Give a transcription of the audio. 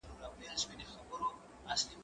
زه پرون ځواب وليکه!!